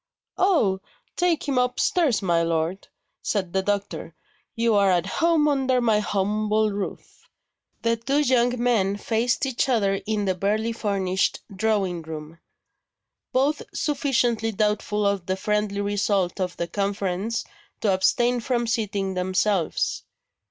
"Oh, take him upstairs, my lord," said the doctor; "you are at home under my humble roof!" The two young men faced each other in the barely furnished drawing room; both sufficiently doubtful of the friendly result of the conference to abstain from seating themselves.